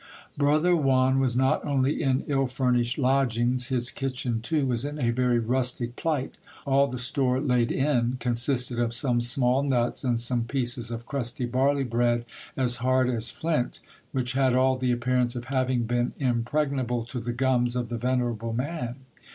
Brother Juan was not only in ill furnished lodgings ; his kitchen, too, was in a very rustic plight. All the store laid in consisted of some small nuts and some pieces of crusty barley bread as hard as flint, which had all the appearance of having been impregnable to the gums of the venerable man.